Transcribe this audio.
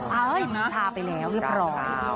เอ้ยชาไปแล้วเรียบร้อย